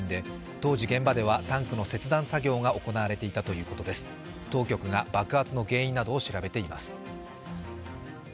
当局が爆発の原因などを調べています。